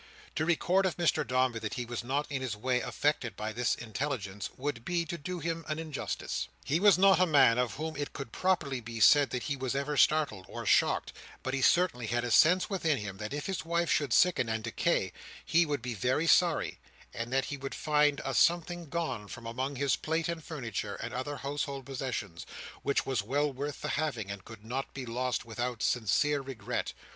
To record of Mr Dombey that he was not in his way affected by this intelligence, would be to do him an injustice. He was not a man of whom it could properly be said that he was ever startled, or shocked; but he certainly had a sense within him, that if his wife should sicken and decay, he would be very sorry, and that he would find a something gone from among his plate and furniture, and other household possessions, which was well worth the having, and could not be lost without sincere regret.